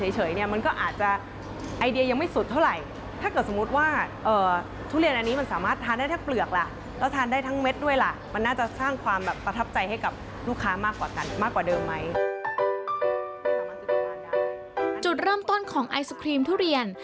จุดเริ่มต้นของไอศครีมทุเรียน